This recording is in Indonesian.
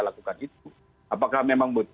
melakukan itu apakah memang